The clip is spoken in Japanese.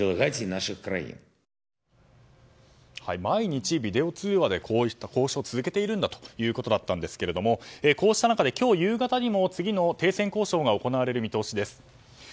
毎日ビデオ通話で交渉を続けているんだということだったんですがこうした中で今日夕方にも次の停戦交渉が行われる見通しです。